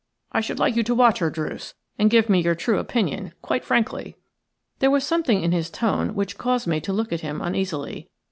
I should like you to watch her, Druce, and give me your true opinion, quite frankly." There was something in his tone which caused me to look at him uneasily.